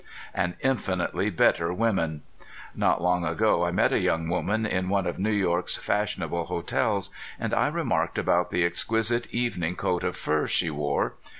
And infinitely better women! Not long ago I met a young woman in one of New York's fashionable hotels, and I remarked about the exquisite evening coat of fur she wore.